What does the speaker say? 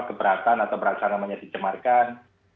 keberatan atau perasaan namanya dicemarkan